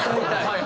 はい。